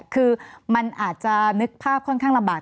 คือมันอาจจะนึกภาพค่อนข้างลำบาก